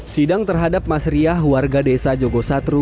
sidang terhadap mas riah warga desa jogosatru